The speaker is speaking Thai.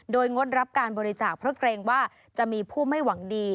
โดยงดรับการบริจาคเพราะเกรงว่าจะมีผู้ไม่หวังดี